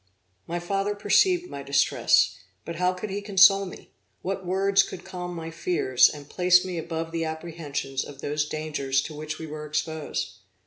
My father perceived my distress, but how could he console me? What words could calm my fears, and place me above the apprehensions of those dangers to which we were exposed?